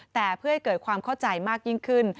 แต่เพื่อให้เกิดความเข้าใจมากยิ่งขึ้น